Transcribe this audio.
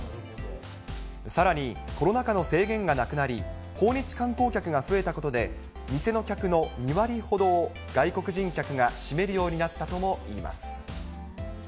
さらに、コロナ禍の制限がなくなり、訪日観光客が増えたことで、店の客の２割ほどを外国人客が占めるようになったともいいます。